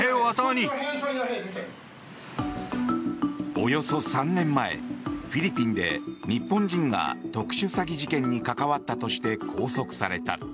およそ３年前フィリピンで日本人が特殊詐欺事件に関わったとして拘束された。